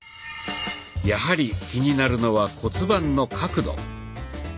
やはり気になるのは骨盤の角度。